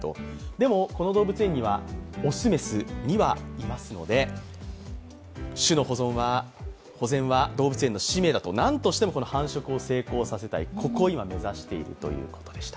でも、この動物園には雄雌２羽いますので種の保全は動物園の使命だと、なんとしても繁殖を成功させたい、ここを今目指しているということでした。